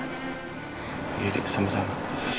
iya dik sama sama